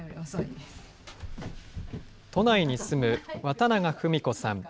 都内に住む渡長二三子さん。